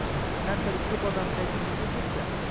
Qanchalik ko’p odam saytingizga kirsa